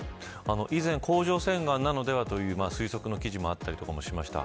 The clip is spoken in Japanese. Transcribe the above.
以前、甲状腺がんなのではという推測の記事もあったりしました。